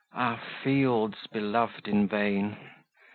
Ah fields belov'd in vain!